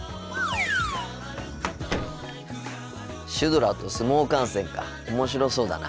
シュドラと相撲観戦か面白そうだな。